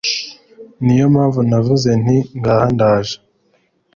ni yo mpamvu navuze nti Ngaha ndaje